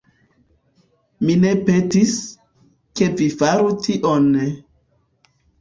Mi ne petis, ke vi faru tion...